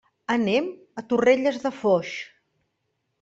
Anem a Torrelles de Foix.